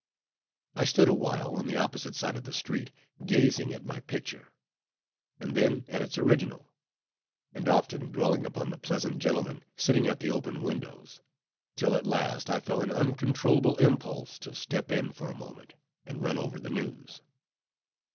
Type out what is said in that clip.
I stood awhile on the opposite side of the street, gazing at my picture, and then at its original; and often dwelling upon the pleasant gentlemen sitting at the open windows; till at last I felt an uncontrollable impulse to step in for a moment, and run over the news.